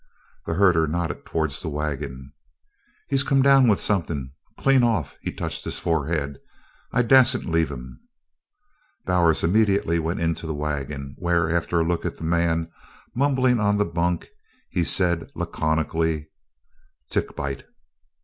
The herder nodded towards the wagon: "He's come down with somethin'. Clean off" he touched his forehead "I dassn't leave him." Bowers immediately went into the wagon, where, after a look at the man mumbling on the bunk, he said laconically: "Tick bite."